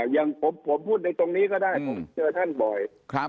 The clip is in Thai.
อย่างผมพูดในตรงนี้ก็ได้ผมเจอท่านบ่อย